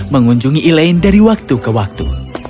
mengunjungi elaine dari waktu ke waktu